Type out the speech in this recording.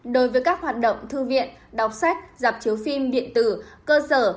đối với các hoạt động thư viện đọc sách giảm chiếu phim điện tử cơ sở